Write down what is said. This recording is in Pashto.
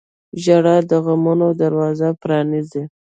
• ژړا د غمونو دروازه پرانیزي.